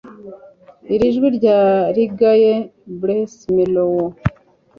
iri jwi rya reggae bluesy mellow